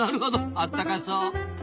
あったかそう。